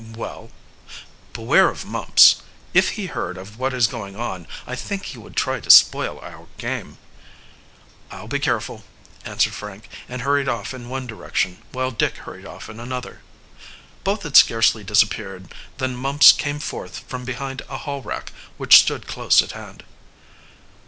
"Well?" "Beware of Mumps. If he heard of what is going on I think he would try to spoil our game." "I'll be careful," answered Frank, and hurried off in one direction, while Dick hurried off in another. Both had scarcely disappeared than Mumps came forth from behind a hall rack which stood close at hand.